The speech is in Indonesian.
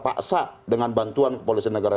paksa dengan bantuan kepolisian negara